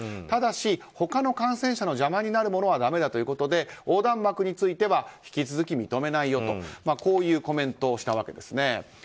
ただし、他の観戦者の邪魔になるものはだめだということで横断幕については引き続き認めないというコメントをしたんです。